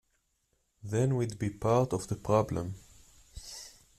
Then we’d be part of the problem.